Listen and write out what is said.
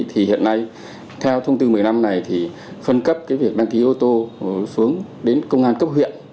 thì hiện nay theo thông tư một mươi năm này thì phân cấp cái việc đăng ký ô tô xuống đến công an cấp huyện